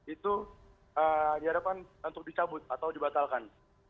itu diharapkan untuk dicabut atau dibatalkan